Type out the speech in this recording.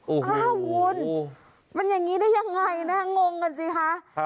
อ้าวคุณมันอย่างนี้ได้ยังไงนะงงกันสิคะ